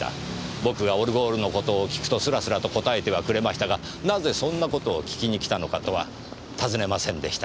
僕がオルゴールの事を訊くとすらすらと答えてはくれましたが「なぜそんな事を訊きにきたのか」とは尋ねませんでした。